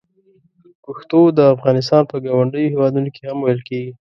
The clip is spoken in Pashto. پښتو د افغانستان په ګاونډیو هېوادونو کې هم ویل کېږي.